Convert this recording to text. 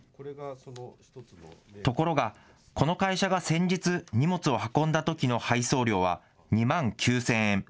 ところがこの会社が先日、荷物を運んだときの配送料は２万９０００円。